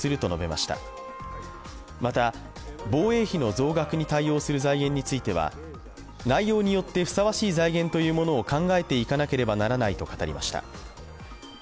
また、防衛費の増額に対応する財源については内容によってふさわしい財源というものを考えていかなければならないと語りました。